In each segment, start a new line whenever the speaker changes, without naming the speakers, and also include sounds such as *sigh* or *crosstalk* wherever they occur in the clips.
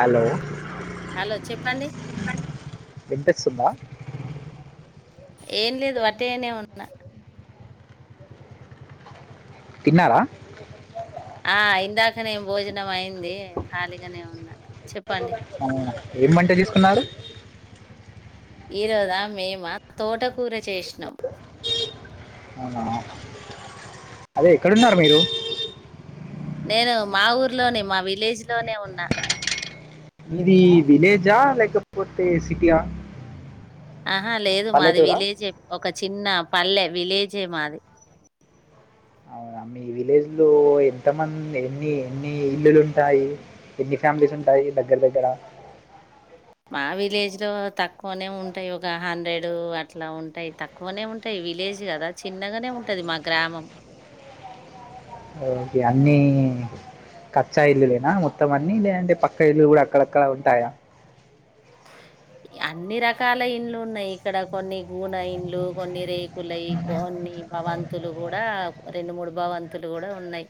Hello
hello చెప్పండి
వినిపిస్తుందా
ఏం లేదు అటేనే ఉన్నా
తిన్నారా
ఆ ఇందాకనేం భోజనం అయింది ఖాళీగానే ఉన్నా చెప్
ఏంవంట చేసుకున్నారు
ఈ రోజా మేమా తోటకూర చేసినాం
అవునా. అదే ఎక్కడున్నారు మీరు
నేను మా ఊర్లోనే మా విలేజ్ లోనే ఉన్నా
ఇది విలేజా లేకపోతే సిటీయా
ఆహా లేదు మాది
పల్లెటూరా
విలేజే ఒక చిన్న పల్లె విలేజే మాది
ఈ విలేజ్ లో ఎంత మంది ఎన్ని ఎన్ని ఇల్లులు ఉంటాయి ఎన్ని ఫ్యామిలీస్ ఉంటాయి దగ్గర దగ్గర
మా విలేజ్ లో తక్కువనే ఉంటాయి ఒక హండ్రెడ్ అట్లా ఉంటాయి తక్కువనే ఉంటాయి విలేజ్ కదా చిన్నగానే ఉంటది మా గ్రామం
ఓకే అన్ని కచ్చా ఇల్లులేనా మొత్తం అన్నీ లేదంటే పక్క ఇల్లు కూడా అక్కడక్కడ ఉంటాయా ఆ
అన్ని రకాల ఇండ్లు ఉన్నాయి ఇక్కడ కొన్ని గూన ఇండ్లు కొన్ని రేకులై కోన్ని భవంతులు కూడా రెండు మూడు భవంతులు కూడా ఉన్నాయి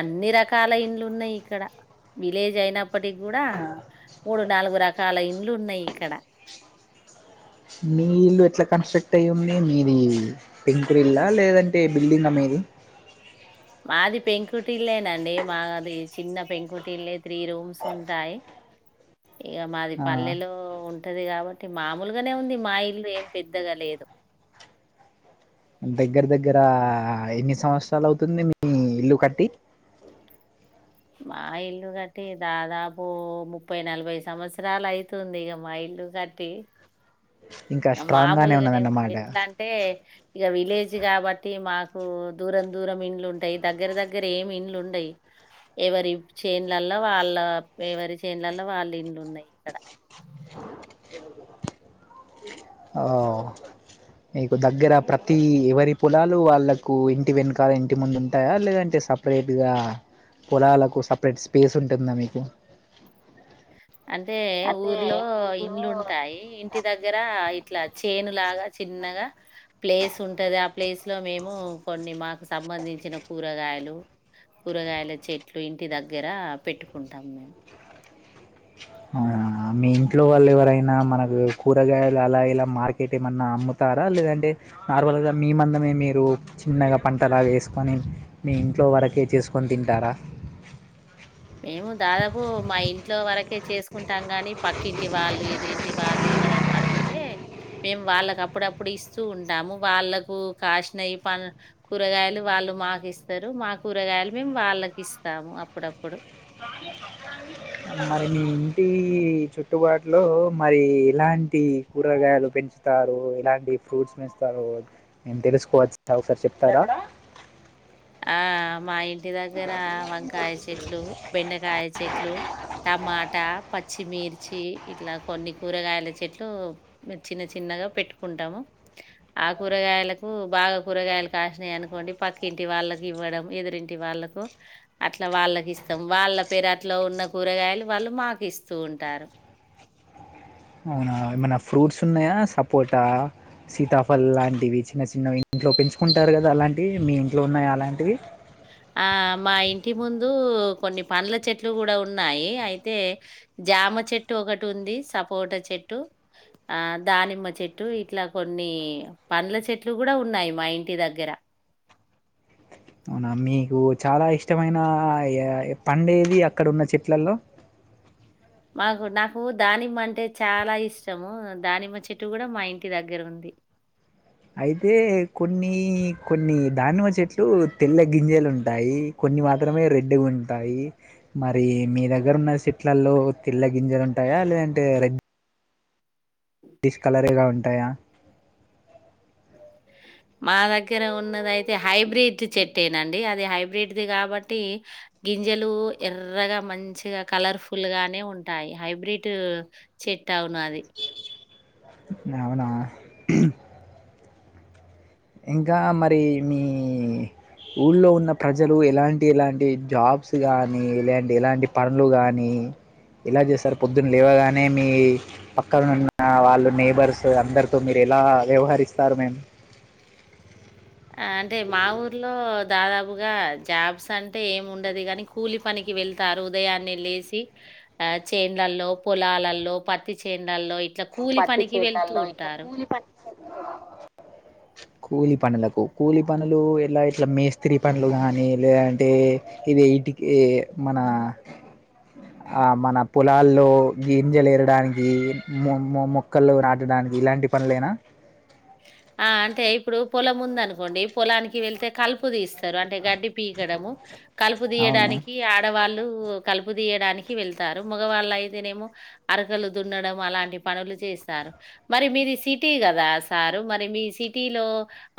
అన్ని రకాల ఇండ్లు ఉన్నాయి ఇక్కడ విలేజ్ అయినప్పటికి కూడా మూడు నాలుగు రకాల ఇండ్లు ఉన్నాయి ఇక్కడ
మీ ఇల్లు ఎట్లా కన్స్ట్రక్ట్ అఈ ఉంది మీది పెంకుట ఇళ్ల లేదంటే బిల్డింగ్ గా మీది టీవీ సౌండ్
మాది పెంకుటిలేనండి మాది చిన్న పెంకుటిలే త్రీ రూమ్స్ ఉంటాయి
టీవీ సౌండ్
ఇక మాది పల్లెలో ఉంటది కాబట్టి మామూలుగానే ఉంది మా ఇల్లు ఏం పెద్దగా లేదు
దగ్గర దగ్గర ఎన్ని సంవత్సరాలు అవుతుంది మీ ఇల్లు కట్టి
మా ఇల్లు కట్టి దాదాపు ముప్పై నలభై సంవత్సరాలు అయితుంది ఇక మా ఇల్లు ఇల్లు కట్టి
ఇంకా స్ట్రాంగ్ గానే
మామూలుగానే ఉంది
ఉన్నదన్నమాట
ఎట్లా అంటే ఇక విలేజ్ కాబట్టి మాకు దూరం దూరం ఇండ్లు ఉంటాయి దగ్గర దగ్గర ఏమి ఇండ్లు ఉండయి ఎవరి చేనులలో వాళ్ళ ఎవరి చేనులల్లో వాళ్ళ ఇండ్లు ఉన్నాయి ఇక్కడ
కుచ్చి సౌండ్ ఓ మీకు దగ్గర ప్రతి ఎవరి పొలాలు వాళ్ళలకు ఇంటి వెనకాల ఇంటి ముందు ఉంటాయా లేదంటే సపరేట్గా పొలాలకు సపరేట్గా స్పేస్ ఉంటుందా మీకు
అంటే ఊర్లో ఇండ్లు ఉంటాయి ఇంటి దగ్గర ఇట్లా చేను లాగా చిన్నగా ప్లేస్ ఉంటది ఆ ప్లేస్ లో మేము కొన్ని మాకు సంబంధించిన కూరగాయలు కూరగాయల చెట్లు ఇంటి దగ్గర పెట్టుకుంటాం మేము
ఆ మీ ఇంట్లో వాళ్ళు ఎవరైనా మనకు కూరగాయలు అలా ఇలా మార్కెట్ ఏమన్నా అమ్ముతార లేదంటే నార్మల్ గా మీ మందమే మీరు చిన్నగా పంటలా వేసుకొని మీ ఇంట్లో ఇంట్లో వరకే చేసుకొని తింటారా
మేము దాదాపు మా ఇంట్లో వరకే చేసుకుంటాం గాని పక్కింటి వాళ్ళు ఎదిరింటి వాళ్ళు ఎవరన్నా ఆడుగుతే మేము వాళ్ళకి అప్పుడప్పుడు ఇస్తూ ఉంటాము వాళ్ళలకు కాసినై కూరగాయలు వాళ్ళ వాళ్లు మాకు ఇస్తారు మా కూరగాయలు మేము వాళ్ళకి ఇస్తాము అప్పుడప్పుడు
మరి మీ ఇంటి చుట్టుబాటులో మరి ఎలాంటి కూరగాయలు పెంచుతారు ఎలాంటి ఫ్రూట్స్ వేస్తారో తెలుసుకోవచ్చ ఒకసారి చెప్తారా
ఆ మా ఇంటి దగ్గర వంకాయ చెట్లు బెండకాయ చెట్లు టమాటా పచ్చిమిర్చి ఇట్లా కొన్ని కూరగాయల చెట్లు చిన్నగ చిన్నగా పెట్టుకుంటాము ఆ కూరగాయలకు బాగా కూరగాయలు కాసినయినుకోండి వాళ్ళకి ఇవ్వడం ఎదురింటి వాళ్ళకు అట్లా వాళ్ళకి ఇస్తాం వాళ్ళ పెరట్లో అట్లా ఉన్న కూరగాయలు డాడీ వాళ్ళు మాకు ఇస్తూ ఉంటారు
ఏమైనా ఫ్రూట్స్ ఉన్నాయా సపోటా సీతాఫల్ లాంటివి చిన్న చిన్నవి ఇంట్లో పెంచుకుంటారు కదా అలాంటివి మీ ఇంట్లో ఉన్నాయి అలాంటివి
ఆ మా ఇంటి ముందు కొన్ని పండ్ల చెట్లు కూడా ఉన్నాయి అయితే జామ చెట్టు ఒకటి ఉంది సపోట చెట్టు ఆ దానిమ్మ చెట్టు ఇట్లా కొన్ని పండ్ల చెట్లు కూడా ఉన్నాయి మా ఇంటి దగ్గర
అవునా మీకు చాలా ఇష్టమైన పండేది అక్కడ ఉన్న చెట్లల్లో *inaudible*
మాకు నాకు దానిమ్మ అంటే చాలా ఇష్టము దానిమ్మ చెట్టు కూడా మా ఇంటి దగ్గర ఉంది
*inaudible* అయితే కొన్ని కొన్ని దానిమ్మ చెట్లు తెల్ల గింజలు ఉంటాయి కొన్ని న్ని మాత్రమే రెడ్ ఉంటాయి మరి మీ దగ్గర ఉన్న చెట్లలో తెల్ల గింజలు ఉంటాయా యా లేదంటే రెడ్ డ్డిష్ కలర్లో ఉంటాయా *inaudible*
మా దగ్గర ఉన్నదయితే హైబ్రిడ్ చెట్టేనండి అది హైబ్రిడ్ది కాబట్టి గింజలు ఎర్రగా మంచిగా కలర్ఫుల్ గానే ఉంటాయి హైబ్రిడ్ చెట్టు అవును అది
అవునా ఇంకా మరి మీ ఊళ్ళో ఉన్న ప్రజలు ఎలాంటి ఎలాంటి జాబ్స్ కానీ ఎలాంటి ఎలాంటి పనులు కానీ ఎలా చేస్తారు పొద్దున లేవగానే మీ పక్కనున్న వాళ్ళు నేబర్స్ అందరితో మీరు ఎలా వ్యవహరిస్తారు మేడమ్
ఆ అంటే మా ఊర్లో దాదాపుగా జాబ్స్ అంటే ఏమి ఉండది కాని కూలి పనికి వెళ్తారు ఉదయాన్నే లేసి ఆ చేండ్లల్లో పొలాలలో పత్తి చేలల్లో
పత్తి చేల్లలో ఇట్ల కూలిపని కూలి పనులకు కూలి పనులు ఎలా ఇట్లా మేస్త్రి పనులు గానీ లేదంటే ఇది టి మన ఆ మన పొలాల్లో గింజలేరడానికి మొ మొక్కలు నాటడానికి ఇలాంటి పనులేనా
ఆ అంటే ఇప్పుడు పొలం ఉందనుకోండి పొలానికి వెళ్తే కలుపు తీస్తం స్తరు అంటే గడ్డి పీకడము కలుపు
అవును
తీయడానికి ఆడవాళ్ళ ళ్ళు కలుపు తీయడానికి వెళ్తారు మగవాళ్ళ అయితేనేమో అరకలు దున్నడం అలాంటి పనులు చేస్తారు మరి మీది సిటీ కదా సార్ మరి మీ సిటీలో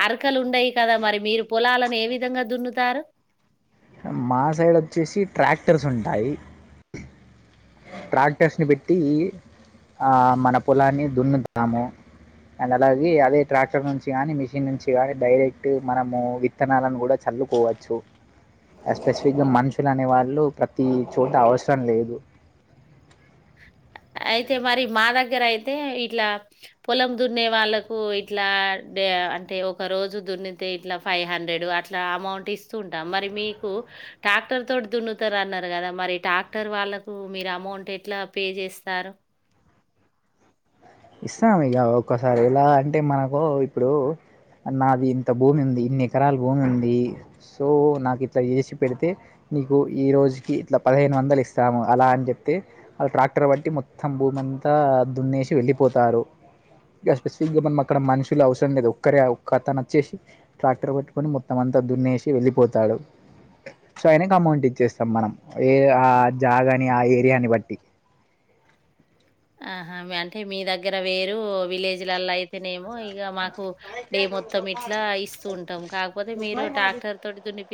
అరకలు ఉండయి కదా మరి మీరు పొలాలను ఏ విధంగా దున్నుతారు
మా సైడ్ వచ్చేసి ట్రాక్టర్స్ ఉంటాయి ట్రాక్టర్స్ ని పెట్టి ఆ మన పొలాన్ని దున్నుతాము అండ్ అలాగే అదే ట్రాక్టర్ నుంచి గాని మిషిన్ నుంచి గాని డైరెక్ట్ మనము విత్తనాలను కూడా చ చల్లుకోవచ్చు స్పెసిఫిక్ గా మనుషులు అనే వాళ్ళు ప్రతి చోట అవసరం లేదు
అయితే మరి మా దగ్గర అయితే ఇట్లా పొలం దున్నే వాళ్ళకు ఇట్లా అంటే ఒక రోజు దున్నితే ఇట్లా ఫైవ్ హండ్రెడ్ అట్లా అమౌంట్ ఇస్తూ ఉంటాం మరి మీకు టాక్టర్ తోటి దున్నుతరు అన్నరు కదా మరి ట్రాక్టర్ వాళ్ళకు మీరు అమౌంట్ ఎట్లా పే చేస్త స్తారు
ఇస్తాం ఇక ఒక్కసారి ఎలా అంటే మనకు ఇప్పుడు నాది ఇంత భూమి ఉంది ఇన్ని ఎకరాల భూమి ఉంది సో నాకు ఇట్ల చేసి పెడితే నీకు ఈ రోజుకి ఇట్ల పదిహేను వందలు ఇస్తాము అలా అని చెప్తే వాళ్ళు ట్రాక్టర్ బట్టి మొత్తం భూమ అంతా దున్నేసి వెళ్ళిపోతారు ఇగ స్పెసిఫిక్గా మనం అక్కడ మనుషులు అవసరం లేదు ఒక్కరే ఒక్కతను వచ్చేసి ట్రాక్టర్ పట్టుకొని మొత్తం అంత దున్నేసి వెళ్ళిపోతాడు సో అయినక అమౌంట్ ఇచ్చేస్తాం మనం ఏ ఆ జాగని ఆ ఏరియాని బట్టి
ఆహా అంటే మీ దగ్గర వేరు విలేజ్లలో అయితేనేమో ఇక మాకు డే మొత్తం ఇట్లా ఇస్తూ ఉంటాం కాకపోతే మీరు ట్రాక్టర్ తోటి దున్ని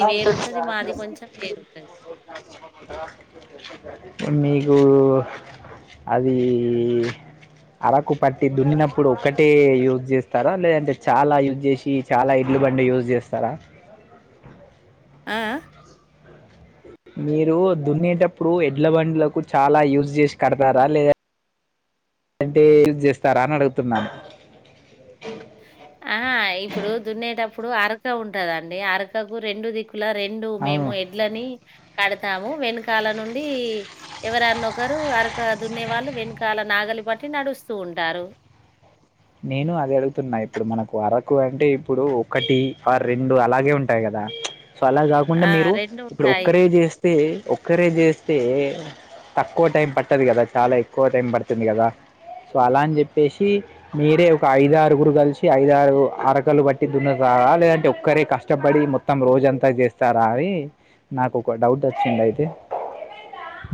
ప్ర విచార
మాది కొంచెం వేరుంటది.
సం మీకు అది అరకు పట్టి దున్నినప్పుడు ఒక్కటే యూజ్ చేస్తారా లేదంటే చాలా యూజ్ చేసి చాలా బండి యూజ్ చేస్తారా
ఆ
మీరు దున్నేటప్పుడు ఎడ్ల బండ్లకు చాలా యూజ్ చేసి కడతారా లేదా అట్టే యూజ్ చేస్తారా అని అడుగుతున్నా
అహా ఇప్పుడు దున్నేటప్పుడు అరక ఉంటదండి అరకకు రెండు దిక్కు ల రెండు
అవును
మేము ఎడ్లని కడతాము వెనకాల నుండి ఎవరన్న ఒకరు అరక దున్నే వాళ్ళు వెనకాల నాకు నాగలి పట్టి నడుస్తూ ఉంటారు
ఆ నేను అదే అడుగుతున్నా ఇప్పుడు మనకు అరకు అంటే ఇప్పుడు ఒకటి ఆ రెండు అలాగే ఉంటాయి కదా సో అలా కాకుండా
ఆ!
మీరు ఇప్పుడు
ఉంటాయి.
ఒక్కరే చేస్తే ఒక్కరే చేస్తే తక్కువ టైం పట్టది కదా చాలా ఎక్కువ టైం పడుతుంది కదా సో అలా అని చెప్పేసి మీరే ఒక ఐదారుగురు కలిసి ఐదారు అరకలు బట్టి దున్నుతారా లేదంటే ఒక్కరే కష్టపడి మొత్తం రోజు అంతా చేస్తారా అని నాకు ఒక డౌట్ వచ్చింది అయితే కదా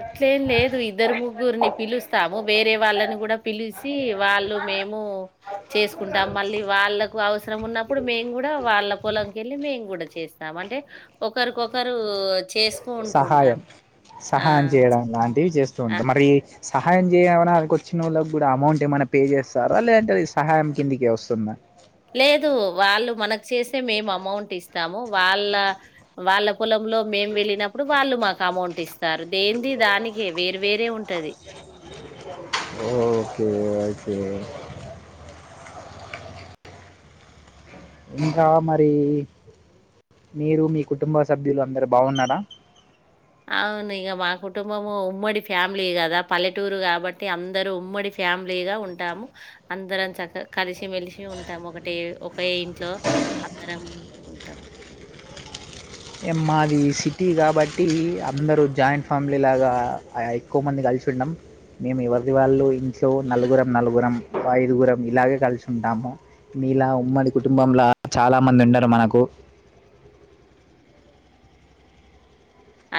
అట్లేం లేదు ఇద్దరు ముగ్గురిని పిలుస్తాము వేరే వాళ్ళని కూడా పిలిసి వాళ్ళు మేము చేసుకుంటాం మళ్ళీ వాళ్ళకు అవసరం అవసరం ఉన్నప్పుడు మేము కూడా వాళ్ళ పొలంకి వెళ్ళి మేము కూడా చేస్తాం అంటే ఒకరికొకరు చేసుకు ఉంటుంటాం
హాన్ చేయడం లాంటివి చేస్తూ ఉంటాయి మరి సహాయం చేయమన్నా అక వచ్చిన వాళ్ళకి కూడా అమౌంట్ ఏమైన్నా పే చేస్తారా లేదంటే సహాయం కిందికి వస్తుందా
లేదు వాళ్ళు మనకు చేస్తే మేము అమౌంట్ ఇస్తాము వాళ్ళ వాళ్ళ పొలం లో మేము వెళ్ళినప్పుడు వాళ్ళు మాకు అమౌంట్ ఇస్తారు దేంది దానికే వేరు వేరే ఉంటది
ఓకే ఓకే ఇంకా మరి మీరు మీ కుటుంబ సభ్యులు అందరు బాగున్నారా
అవును ఇక మా కుటుంబము ఉమ్మడి ఫ్యామిలీ కదా పల్లెటూరు కాబట్టి అందరు ఉమ్మడి ఫ్యామిలీగా ఉంటాము అందరం చక్క కలిసిమెలిసి ఉంటాము ఒకటి ఒకే ఇంట్లో అందరం ఉంటాం
*inaudible* ఏ మాది సిటీ కాబట్టి అందరు జాయింట్ ఫ్యామిలీ లాగా ఎక్కువ మంది *unintelligible* మేము ఎవరిది వాళ్ళు ఇంట్లో నలుగురం నలుగురం ఐదుగురం ఇలాగే కలిసి ఉంటాము మీలా ఉమ్మడి కుటుంబంలా చాలా మంది ఉండరు మనకు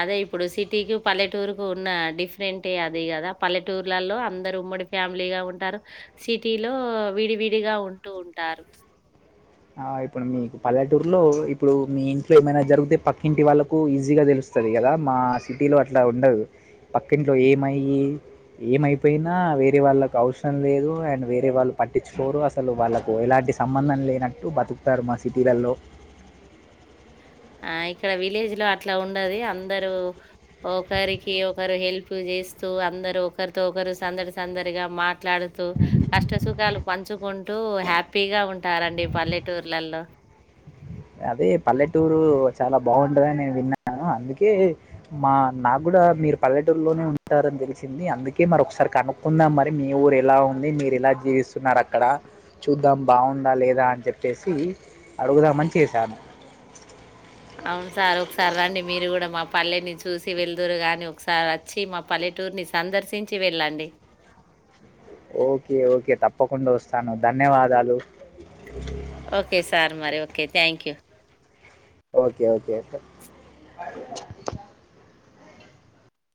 అదే ఇప్పుడు సిటీకి పల్లెటూరుకు ఉన్న డిఫరెంటే అది కదా పల్లెటూర్లలో అందరు ఉమ్మడి ఫ్యామిలీగా ఉంటారు సిటీలో విడివిడిగా ఉంటూ ఉంటారు
ఆ ఇప్పుడు మీకు పల్లెటూరు లో ఇప్పుడు మీ ఇంట్లో ఏమైనా జరిగుతే పక్కింటి వాళ్ళకు ఈజీగా తెలుస్ స్తది కదా మా సిటీలో అట్లా ఉండదు పక్కంట్లో ఏమయి ఏమైపోయినా వేరే వాళ్ళకు అవసరం లేదు అండ్ వేరే వాళ్ళు పట్టించుకోరు అసలు వాళ్ళలకు ఎలాంటి సంబంధం లేనట్టు బతుకుతారు మా సిటీలలో
ఆ ఇక్కడ విలేజ్ లో అట్లా ఉండది అందరు ఒకరికి ఒకరు హెల్ప్ చేసి చేస్తూ అందరు ఒకరితో ఒకరు సందడి సందడిగా మాట్లాడుతూ కష్ట సుఖాలు పంచుకుంటూ హ్యాపీగా ఉంటారండి పల్లెటూర్లలో
అదే పల్లెటూరు చాలా బాగుంటదని నేను విన్నాను అందుకే మా నాకు అంతా మీరు పల్లెటూరులోనే ఉంటారని తెలిసింది అందుకే మరి ఒకసారి కనుక్కుందాం మరి మీ ఊరు ఎలా ఉంది ఎలా జీవిస్తున్నారు అక్కడ చూద్దాం బాగుందా లేదా అని చెప్పేసి అడుగుదాము చేశాను
అవును సార్ ఒకసారి రండి మీరు కూడా మా పల్లెని చూసి వెళదురు కానీ ఒకసారి వచ్చి మా పల్లెటూరు సందర్శించి వెళ్ళండి
ఓకే ఓకే తప్పకుండా వస్తాను ధన్యవాదాలు
ఓకే సార్ మరి okay thank you.
Okay okay